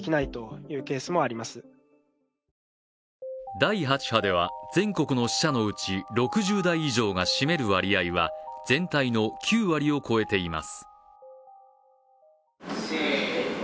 第８波では、全国の死者のうち６０代以上が占める割合は全体の９割を超えています。